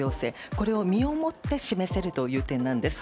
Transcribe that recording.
これを身をもって示せるという点なんです。